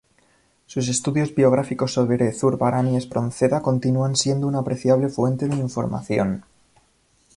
Sus estudios biográficos sobre Zurbarán y Espronceda continúan siendo una apreciable fuente de información.